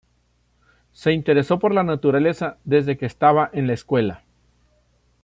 Se interesó por la naturaleza desde que estaba en la escuela.